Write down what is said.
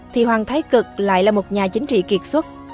thì hoàng thái cực lại là một nhà chính trị kiệt xuất